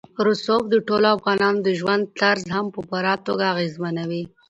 رسوب د ټولو افغانانو د ژوند طرز هم په پوره توګه اغېزمنوي.